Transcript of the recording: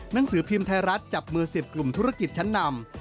หนังสือพิมพ์ไทยรัฐจับมือ๑๐กลุ่มธุรกิจชั้นนำ